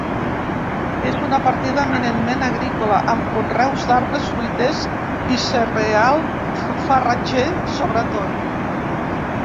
És una partida eminentment agrícola, amb conreus d'arbres fruiters i cereal farratger sobretot.